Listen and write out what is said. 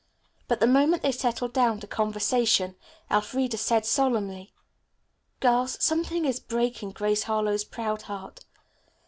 But the moment they settled down to conversation Elfreda said solemnly, "Girls, something is breaking Grace Harlowe's proud heart.